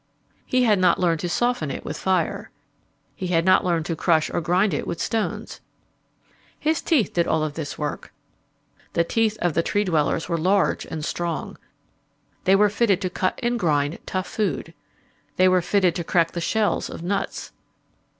He had not learned to soften it with fire. He had not learned to crush or grind it with stones. His teeth did all of this work. The teeth of all the Tree dwellers were large and strong. They were fitted to cut and grind tough food. They were fitted to crack the shells of nuts.